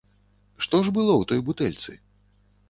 Што ж было ў той бутэльцы?